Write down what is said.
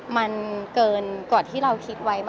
มันเกินกว่าที่เราคิดไว้